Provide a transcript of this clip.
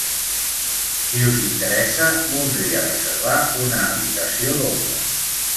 Si us interessa, voldria reservar una habitació doble.